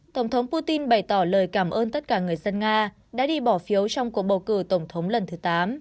tổng thống putin bày tỏ lời cảm ơn tất cả người dân nga đã đi bỏ phiếu trong cuộc bầu cử tổng thống lần thứ tám